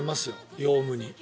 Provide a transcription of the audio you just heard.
ヨウムに。